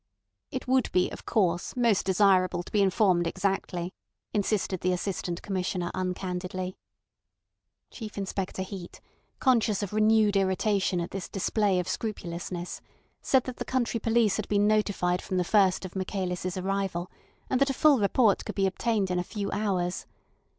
"It would be, of course, most desirable to be informed exactly," insisted the Assistant Commissioner uncandidly. Chief Inspector Heat, conscious of renewed irritation at this display of scrupulousness, said that the county police had been notified from the first of Michaelis' arrival, and that a full report could be obtained in a few hours.